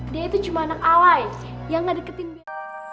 dia itu cuma anak alay yang gak deketin dia